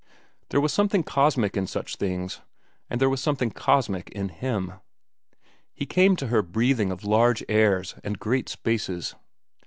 There was something cosmic in such things, and there was something cosmic in him. He came to her breathing of large airs and great spaces.